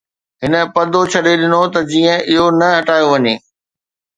هن پردو ڇڏي ڏنو ته جيئن اهو نه هٽايو وڃي